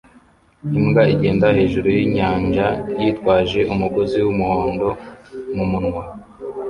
Imbwa igenda hejuru yinyanja yitwaje umugozi wumuhondo mumunwa